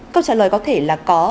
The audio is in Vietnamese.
câu trả lời có thể là có